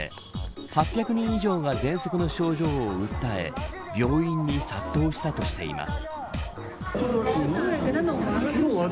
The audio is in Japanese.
８００人以上がぜんそくの症状を訴え病院に殺到したとしています。